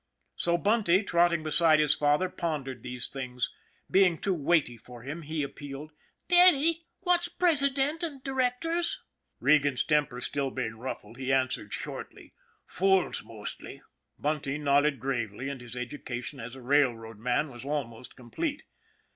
So Bunty, trotting beside his father, pondered these things. Being 1 too weighty for him, he appealed: " Daddy, what's president and directors ?" Regan's temper being still ruffled, he answered shortly: "Fools, mostly." Bunty nodded gravely, and his education as a rail road man was almost complete.